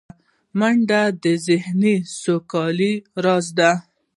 منډه د ذهني سوکالۍ راز دی